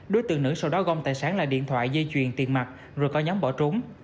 đối tượng nữ sau đó gom tài sản là điện thoại dây chuyền tiền mặt rồi có nhóm bỏ trốn